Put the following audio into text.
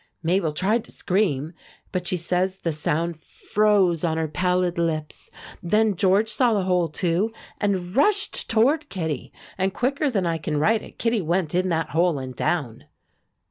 Mabel tried to scream, but she says the sound froze on her pallid lips. Then George saw the hole, too, and rushed toward Kittie, and quicker than I can write it Kittie went in that hole and down.